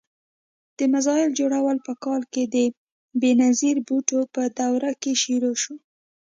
د میزایل جوړول په کال کې د بېنظیر بوټو په دور کې شروع شو.